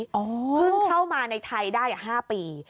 เพิ่งเข้ามาในไทยได้๕ปี